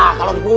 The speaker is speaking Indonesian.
ha kalau gitu